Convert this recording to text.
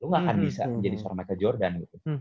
lo nggak akan bisa menjadi seorang michael jordan